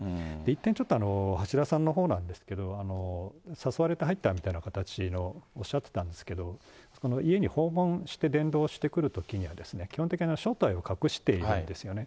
一点、ちょっと橋田さんのほうなんですけど、誘われた入ったみたいな形をおっしゃってたんですけど、家に訪問して伝道してくるときにはですね、基本的には正体を隠しているんですよね。